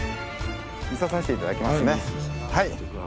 見させていただきますね。